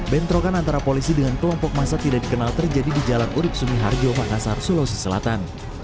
bentrokan antara polisi dengan kelompok masa tidak dikenal terjadi di jalan urib sumiharjo makassar sulawesi selatan